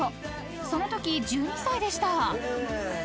［そのとき１２歳でした］